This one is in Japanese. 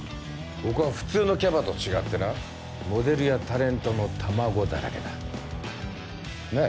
ここは普通のキャバと違ってなモデルやタレントの卵だらけだなあ